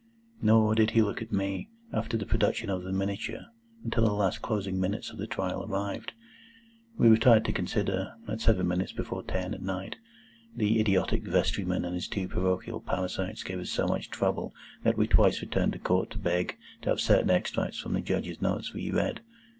Nor did he look at me, after the production of the miniature, until the last closing minutes of the trial arrived. We retired to consider, at seven minutes before ten at night. The idiotic vestryman and his two parochial parasites gave us so much trouble that we twice returned into Court to beg to have certain extracts from the Judge's notes re read.